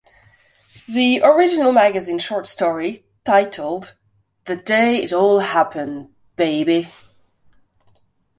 The original magazine short story, titled The Day It All Happened, Baby!